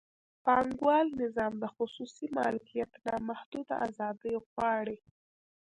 پانګوال نظام د خصوصي مالکیت نامحدوده ازادي غواړي.